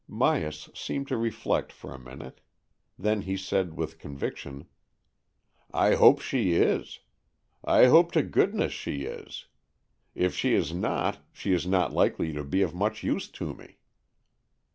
Myas seemed to reflect for a minute. Then he said, with conviction —" I hope she is. I hope to goodness she is. If she is not, she is not likely to be of much use to me."